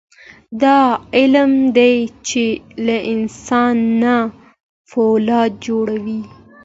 دا علم دی چې له انسان نه فولاد جوړوي.